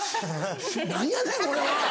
何やねんこれは！